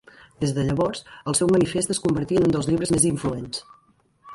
Des de llavors, el seu manifest es convertí en un dels llibres més influents.